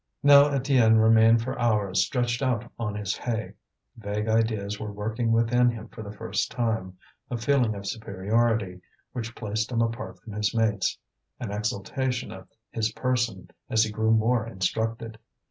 Now Étienne remained for hours stretched out on his hay. Vague ideas were working within him for the first time: a feeling of superiority, which placed him apart from his mates, an exaltation of his person as he grew more instructed.